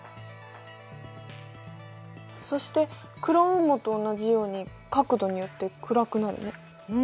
そして黒雲母と同じように角度によって暗くなるね。